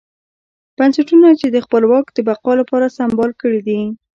بنسټونه یې د خپل واک د بقا لپاره سمبال کړي دي.